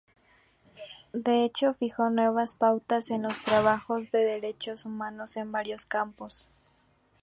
De hecho, fijó nuevas pautas en los trabajos de derechos humanos en varios campos.